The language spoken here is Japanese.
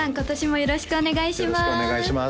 よろしくお願いします